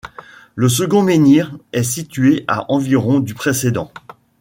Le second menhir est situé à environ du précédent.